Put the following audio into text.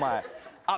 あっ。